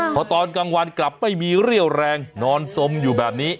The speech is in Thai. พอตอนกลางวันกลับไม่มีเรี่ยวแรงนอนสมอยู่แบบนี้